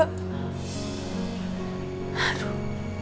makasih ya put